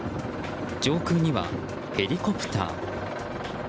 上空にはヘリコプター。